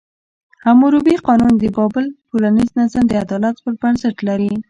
حموربي قانون د بابل ټولنیز نظم د عدالت په بنسټ لري.